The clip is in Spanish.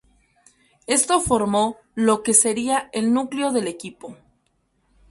Esto formó lo que sería el núcleo del equipo.